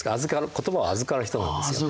言葉を預かる人なんですよ。